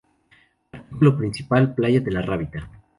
Artículo principal Playa de La Rábita.